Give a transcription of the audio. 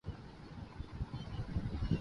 میں اپنے بزرگوں سے مشورہ کرتا ہوں۔